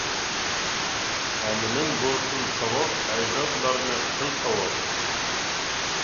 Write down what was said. ئەمىلىڭ بولسۇن ساۋاب، ئەجدادلارنى قىل تاۋاپ.